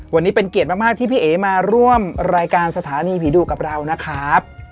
วันนี้เป็นเกียรติมากที่พี่เอ๋มาร่วมรายการสถานีผีดุกับเรานะครับ